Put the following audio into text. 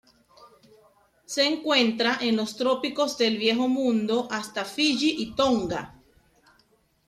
Se encuentra en los trópicos del Viejo Mundo hasta Fiyi y Tonga.